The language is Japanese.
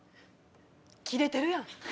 キレてるやん。